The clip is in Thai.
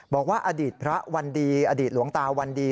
บอกว่าอดีตพระวันดีอดีตหลวงตาวันดี